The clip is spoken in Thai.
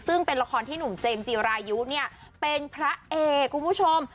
ซึ่งเป็นละครที่หนุ่มเจมส์จีรายุเนี่ยเป็นพระเอกคุณผู้ชม